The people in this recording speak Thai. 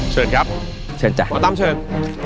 เชิญครับเชิญจ้ะผู้ต้ำเชิญ